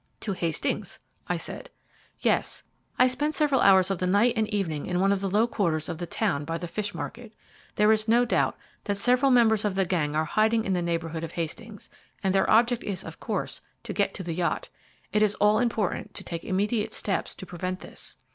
"To Hastings?" I said. "Yes; I spent several hours of the night and evening in one of the low quarters of the town by the fish market. There is no doubt that several members of the gang are hiding in the neighbourhood of Hastings, and their object is, of course, to get to the yacht. It is all important to take immediate steps to prevent this."